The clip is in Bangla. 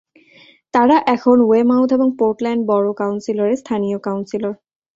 তারা এখন ওয়েমাউথ এবং পোর্টল্যান্ড বরো কাউন্সিলের স্থানীয় কাউন্সিলর।